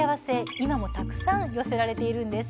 今もたくさん寄せられているんです。